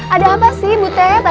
ada apa sih bu tet